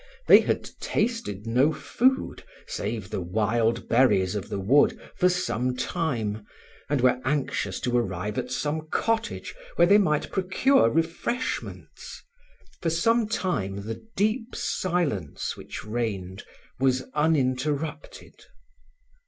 They had tasted no food, save the wild berries of the wood, for some time, and were anxious to arrive at some cottage, where they might procure refreshments. For some time the deep silence which reigned was uninterrupted.